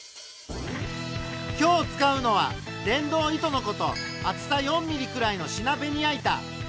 今日使うのは電動糸のこと厚さ４ｍｍくらいのシナベニヤ板。